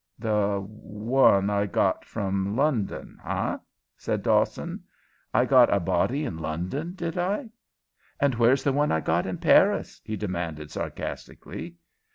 "The one I got from London, eh?" said Dawson. "I got a body in London, did I? And where's the one I got in Paris?" he demanded, sarcastically.